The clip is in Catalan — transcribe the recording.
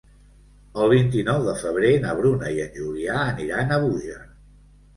El vint-i-nou de febrer na Bruna i en Julià aniran a Búger.